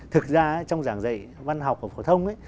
thực ra trong giảng dạy văn học và phổ thông